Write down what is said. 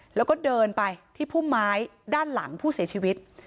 แล้วก็เดินไปที่พุ่มไม้ด้านหลังผู้เสียชีวิต